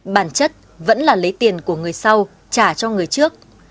bản chất vẫn là lấy tiền của người sau trả cho người trước